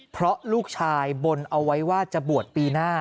เพราะลูกชายบนเอาไว้ว่าจะบวชปีหน้า